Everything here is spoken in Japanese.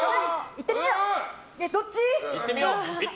いってみよう！